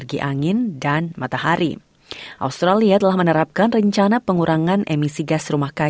kita semua pendengar juga memiliki